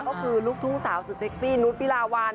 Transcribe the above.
ก็คือลูกทุ่งสาวสุดเซ็กซี่นุษย์พิลาวัน